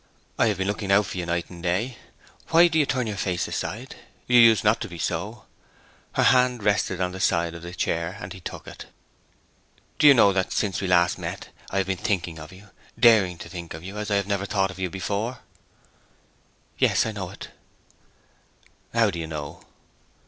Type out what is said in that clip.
'I have been looking for you night and day. Why do you turn your face aside? You used not to be so.' Her hand rested on the side of the chair, and he took it. 'Do you know that since we last met, I have been thinking of you daring to think of you as I never thought of you before?' 'Yes, I know it.' 'How did you know?'